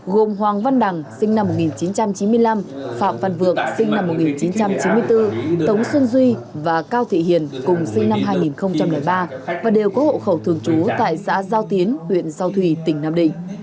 gồm hoàng văn đằng sinh năm một nghìn chín trăm chín mươi năm phạm văn vượng sinh năm một nghìn chín trăm chín mươi bốn tống xuân duy và cao thị hiền cùng sinh năm hai nghìn ba và đều có hộ khẩu thường trú tại xã giao tiến huyện giao thủy tỉnh nam định